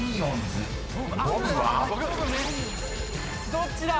どっちだ